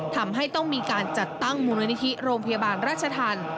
ทำให้ต้องมีการจัดตั้งมูลนิธิโรงพยาบาลราชธรรม